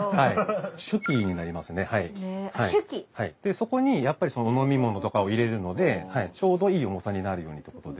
そこにやっぱりお飲み物とかを入れるのでちょうどいい重さになるようにということで。